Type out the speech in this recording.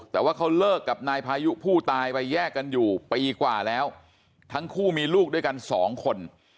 แต่ว่าเขาเลิกกับนายพายุผู้ตายไปแยกกันอยู่ปีกว่าแล้วทั้งคู่มีลูกด้วยกันสองคน